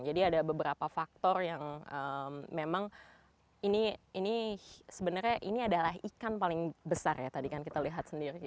jadi ada beberapa faktor yang memang ini sebenarnya ini adalah ikan paling besar ya tadi kan kita lihat sendiri